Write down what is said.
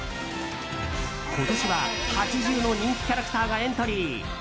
今年は８０の人気キャラクターがエントリー。